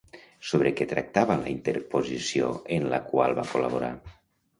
Sobre què tractava la interposició en la qual va col·laborar?